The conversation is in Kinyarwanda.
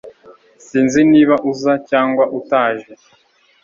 Sinzi niba uza cyangwa utaje